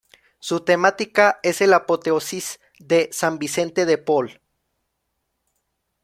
Su temática es el apoteosis de San Vicente de Paúl.